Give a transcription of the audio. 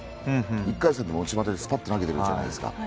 １回戦で内股でスパッと投げてるじゃないですか。